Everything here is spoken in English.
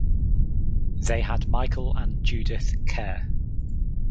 They had Michael and Judith Kerr.